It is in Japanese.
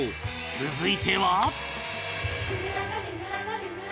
続いては